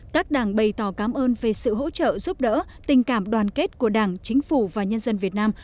các đảng bày tỏ cảm ơn về sự hỗ trợ giúp đỡ tình cảm đoàn kết của đảng chính phủ và nhân dân việt nam